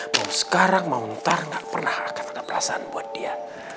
mau sekarang mau ntar gak pernah akan ada perasaan buat dia